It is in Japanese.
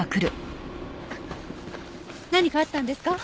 何かあったんですか？